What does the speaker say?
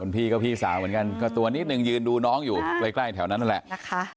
พี่ก็พี่สาวเหมือนกันก็ตัวนิดนึงยืนดูน้องอยู่ใกล้แถวนั้นนั่นแหละนะคะ